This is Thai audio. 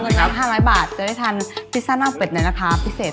คุณกอฟลงเงิน๕๐๐บาทจะได้ทานพิสันออกเป็นราคาพิเศษ